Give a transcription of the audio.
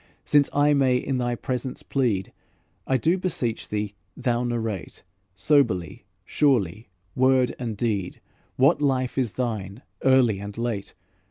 Since I may in thy presence plead, I do beseech thee thou narrate, Soberly, surely, word and deed, What life is thine, early and late?